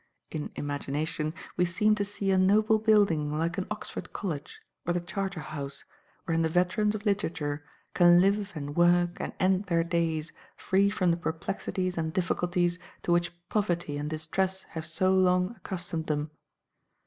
In imagination we seem to see a noble building like an Oxford College, or the Charterhouse, wherein the veterans of Literature can live and work and end their days, free from the perplexities and difficulties to which poverty and distress have so long accustomed them.